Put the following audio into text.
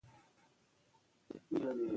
د عادت بلا په بسم الله نه ورکیږي.